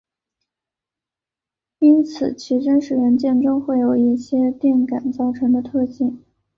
因此其真实元件中会有一些电感造成的特性。